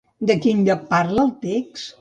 De quin lloc parla el text?